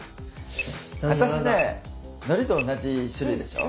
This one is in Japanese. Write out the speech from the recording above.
私ねのりと同じ種類でしょ？